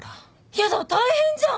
やだ大変じゃん！